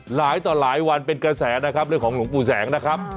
หลายต่อหลายวันเป็นกระแสนะครับเรื่องของหลวงปู่แสงนะครับ